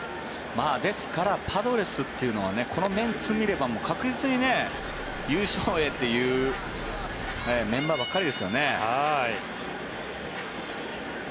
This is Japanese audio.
ですからパドレスというのはこのメンツを見れば確実に優勝へというメンバーばっかりですよね。